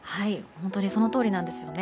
本当にそのとおりなんですよね。